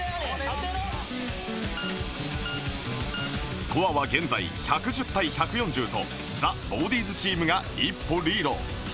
スコアは現在１１０対１４０と ＴＨＥＢＡＷＤＩＥＳ チームが一歩リード